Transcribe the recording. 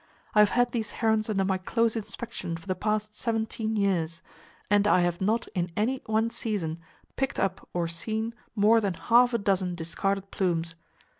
I have had these herons under my close inspection for the past 17 years, and I have not in any one season picked up or seen more than half a dozen discarded plumes.